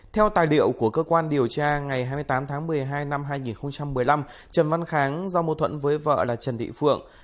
theo tài liệu của cơ quan điều tra ngày hai mươi tám tháng một mươi hai năm hai nghìn một mươi năm trần văn kháng do mâu thuẫn với vợ là trần thị phượng